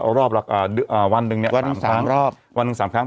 เอารอบวันหนึ่งเนี่ยวันหนึ่งสามรอบวันหนึ่งสามครั้ง